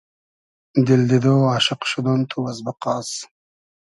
دیل دیدۉ ، آشوق شودۉن تو از بئقاس